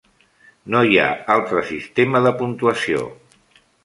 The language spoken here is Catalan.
No hi ha altre sistema de puntuació.